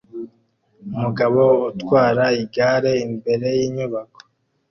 Umugabo utwara igare imbere yinyubako